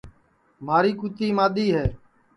مھاری کُوتی مادؔی ہے